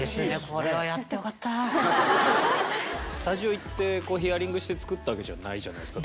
これはスタジオ行ってヒアリングして作ったわけじゃないじゃないですか。